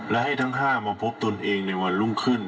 และให้ทั้ง๕มาพบตนเองในวันรุ่งขึ้น